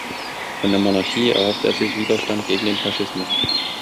Von der Monarchie erhoffte er sich Widerstand gegen den Faschismus.